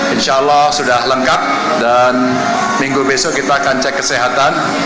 insya allah sudah lengkap dan minggu besok kita akan cek kesehatan